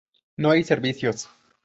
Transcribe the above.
No hay servicios.